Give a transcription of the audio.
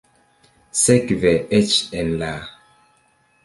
Sekve eĉ en la.